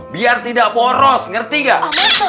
biar tidak poros ngerti gak